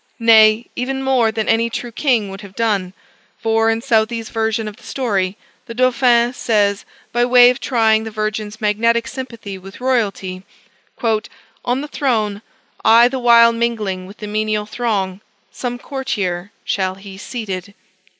Nay, even more than any true king would have done: for, in Southey's version of the story, the Dauphin says, by way of trying the virgin's magnetic sympathy with royalty, "on the throne, I the while mingling with the menial throng, Some courtier shall he seated."